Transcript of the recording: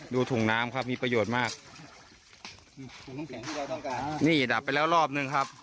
ถุงน้ำครับมีประโยชน์มากถุงน้ำแข็งที่เราต้องการนี่ดับไปแล้วรอบนึงครับ